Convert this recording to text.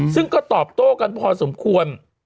ซึ่งก็ตอบโต้กันพอสมควร